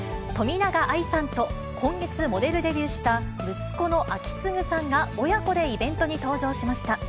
冨永愛さんと、今月モデルデビューした息子の章胤さんが親子でイベントに登場しました。